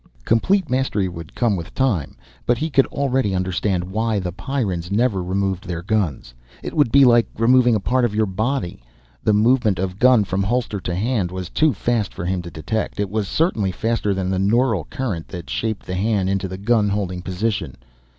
Complete mastery would come with time, but he could already understand why the Pyrrans never removed their guns. It would be like removing a part of your own body. The movement of gun from holster to hand was too fast for him to detect. It was certainly faster than the neural current that shaped the hand into the gun holding position.